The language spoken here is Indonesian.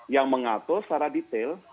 yang mengatur secara detail